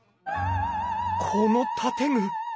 この建具。